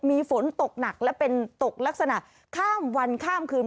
มีฝนตกหนักและเป็นตกลักษณะข้ามวันข้ามคืน